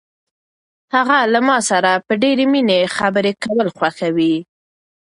هغه له ما سره په ډېرې مینه خبرې کول خوښوي.